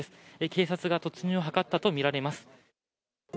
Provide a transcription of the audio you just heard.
警察が突入を図ったと見られます。